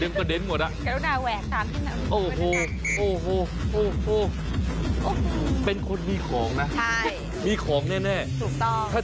อย่าเอาอ่ะหน้าตาไม่เอา